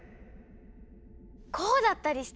こうだったりして！